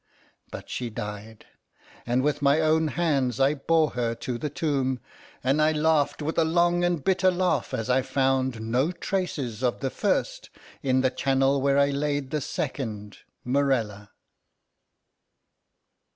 But she died; and with my own hands I bore her to the tomb; and I laughed with a long and bitter laugh as I found no traces of the first in the charnel where I laid the second, Morella.